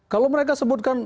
kalau mereka sebutkan